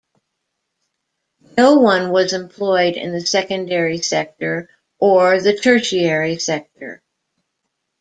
No one was employed in the secondary sector or the tertiary sector.